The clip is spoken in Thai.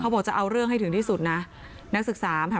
เขาบอกจะเอาเรื่องให้ถึงที่สุดน่ะนักศึกษามาถามวิรัย